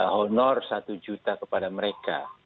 honor satu juta kepada mereka